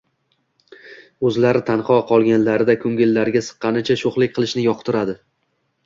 oʼzlari tanho qolganlarida koʼngillariga siqqanicha shoʼxlik qilishni yoqtiradi.